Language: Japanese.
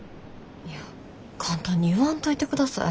いや簡単に言わんといてください。